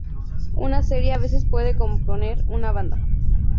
Una serie a veces puede componer una banda.